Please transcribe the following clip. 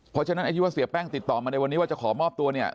เพราะฉะนั้นไอ้ที่ว่าเสียแป้งติดต่อมาในวันนี้ว่าจะขอมอบตัวเนี่ย